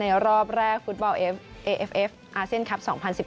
ในรอบแรกฟุตบอลเอฟเอฟอาเซียนคับ๒๐๑๘